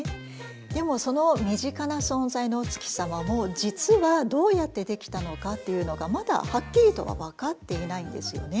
でもその身近な存在のお月様も実はどうやってできたのかっていうのがまだはっきりとは分かっていないんですよね。